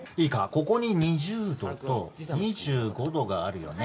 ここに２０度と２５度があるよね。